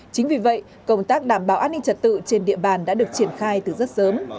chính vì vậy công tác đảm bảo an ninh trật tự trên địa bàn đã được triển khai từ rất sớm